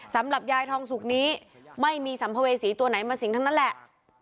สำหรับยายทองสุกนี้ไม่มีสัมภเวษีตัวไหนมาสิงทั้งนั้นแหละ